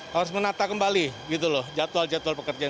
harus menata kembali gitu loh jadwal jadwal pekerjaan